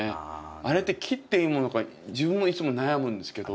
あれって切っていいものか自分もいつも悩むんですけど。